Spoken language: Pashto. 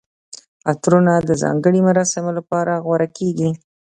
عطرونه د ځانګړي مراسمو لپاره غوره کیږي.